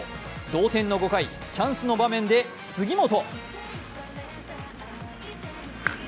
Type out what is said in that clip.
同点の５回、チャンスの場面で杉本。